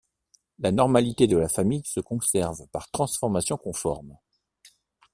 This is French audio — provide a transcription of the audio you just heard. La normalité de la famille se conserve par transformation conforme.